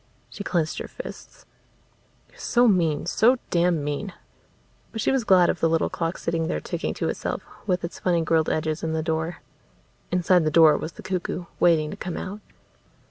She clenched her fists. He was so mean, so damn mean. But she was glad of the little clock sitting there ticking to itself, with its funny grilled edges and the door. Inside the door was the cuckoo, waiting to come out.